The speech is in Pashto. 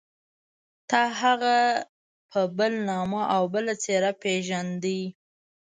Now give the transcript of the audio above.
تا هغه په بل نامه او بله څېره پېژانده.